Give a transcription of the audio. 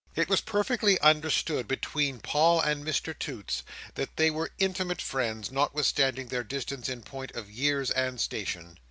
It was perfectly understood between Paul and Mr Toots, that they were intimate friends, notwithstanding their distance in point of years and station.